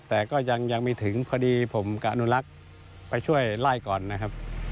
แต่ก็ยังไม่ถึงพอดีผมกับอนุรักษ์ไปช่วยไล่ก่อนนะครับ